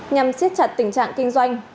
nhằm siết chặt tình trạng kinh doanh